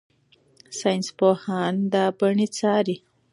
ساینسپوهان دا بڼې څاري.